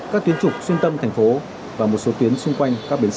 các tuyến trục xuyên tâm thành phố và một số tuyến xung quanh các bến xe